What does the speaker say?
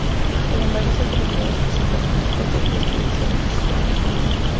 Sin embargo, estas velocidades representan picos teóricos que difícilmente se llegan a alcanzar.